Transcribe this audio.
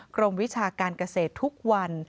วิชาการเกษตรทุกวัน